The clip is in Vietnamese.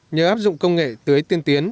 nhờ áp dụng công nghệ tưới tiên tiến